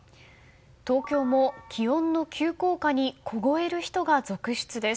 東京も、気温の急降下に凍える人が続出です。